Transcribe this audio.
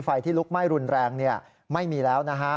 ไฟที่ลุกไหม้รุนแรงไม่มีแล้วนะฮะ